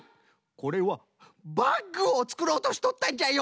これはバッグをつくろうとしとったんじゃよ！